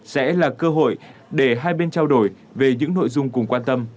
sẽ là cơ hội để hai bên trao đổi về những nội dung cùng quan tâm